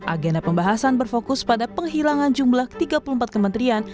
agenda pembahasan berfokus pada penghilangan jumlah tiga puluh empat kementerian